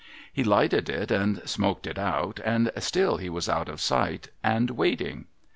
He lighted it, and smoked it out, and still he was out of sight and waiting.